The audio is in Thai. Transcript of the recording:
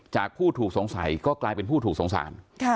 ผู้ถูกสงสัยก็กลายเป็นผู้ถูกสงสาร